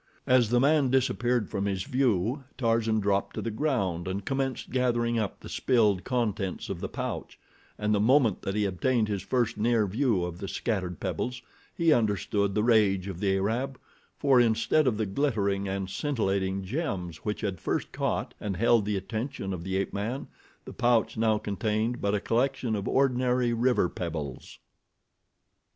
As the man disappeared from his view, Tarzan dropped to the ground and commenced gathering up the spilled contents of the pouch, and the moment that he obtained his first near view of the scattered pebbles he understood the rage of the Arab, for instead of the glittering and scintillating gems which had first caught and held the attention of the ape man, the pouch now contained but a collection of ordinary river pebbles.